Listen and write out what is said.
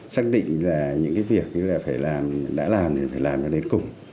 xác định là những cái việc phải làm đã làm thì phải làm cho đến cùng